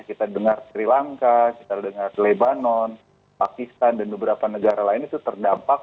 kita dengar sri lanka kita dengar lebanon pakistan dan beberapa negara lain itu terdampak